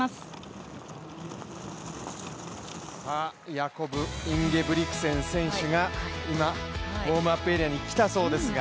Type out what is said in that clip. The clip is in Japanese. ヤコブ・インゲブリクセン選手が今、ウォームアップエリアに来たそうですが。